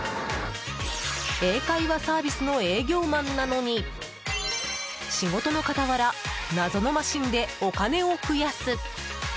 英会話サービスの営業マンなのに仕事の傍ら謎のマシンでお金を増やす。